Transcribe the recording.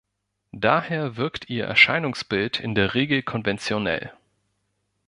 Daher wirkt ihr Erscheinungsbild in der Regel konventionell.